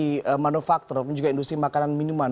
industri manufaktur ataupun juga industri makanan minuman